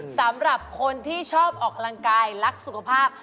สำหรับคนที่ชอบออกกำลังกายรักสุขภาพ